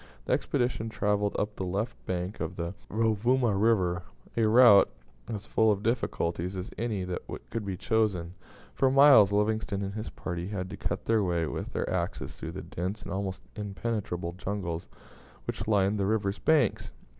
The expedition travelled up the left bank of the Rovuma River, a route as full of difficulties as any that could be chosen. For miles Livingstone and his party had to cut their way with their axes through the dense and almost impenetrable jungles which lined the river's banks.